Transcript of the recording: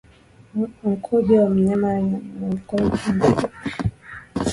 Mkojo wa wanyama wenye ugonjwa wa miguu na midomo yakigusana na wanyama wazima hueneza ugonjwa